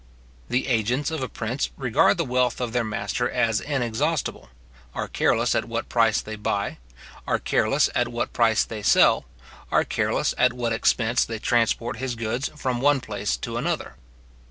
The agents of a prince regard the wealth of their master as inexhaustible; are careless at what price they buy, are careless at what price they sell, are careless at what expense they transport his goods from one place to another.